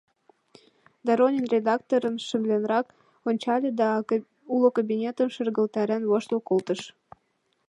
Доронин редакторым шымленрак ончале, да уло кабинетым шергылтарен, воштыл колтыш.